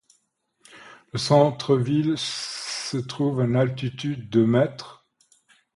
Le centre-ville se trouve à une altitude de m.